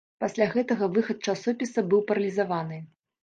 Пасля гэтага выхад часопіса быў паралізаваны.